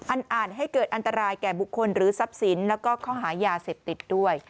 อาจให้เกิดอันตรายแก่บุคคลหรือทรัพย์สินแล้วก็ข้อหายาเสพติดด้วย